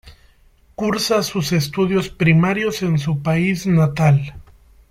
Cursa sus estudios primarios en su país natal.